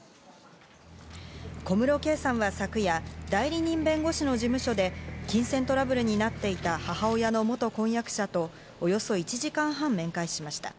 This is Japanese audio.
小室圭さんは昨夜、代理人弁護士の事務所で金銭トラブルになっていた母親の元婚約者と、およそ１時間半、面会しました。